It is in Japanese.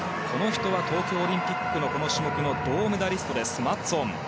東京オリンピックのこの種目の銅メダリストマッツォン。